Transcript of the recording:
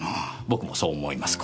僕もそう思います。